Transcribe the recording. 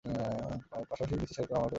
পাশাপাশি নিচের সারিতে বামহাতে ব্যাটিং করেন।